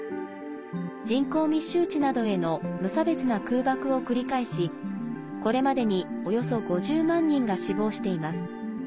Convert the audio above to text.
人口密集地などへの無差別な空爆を繰り返しこれまでにおよそ５０万人が死亡しています。